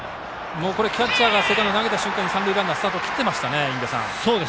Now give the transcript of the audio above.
キャッチャーが投げた瞬間に三塁ランナーがスタートを切っていましたね。